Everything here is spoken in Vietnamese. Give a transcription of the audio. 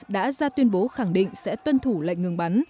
đã ra tuyên bố khẳng định sẽ tuân thủ lệnh ngừng bắn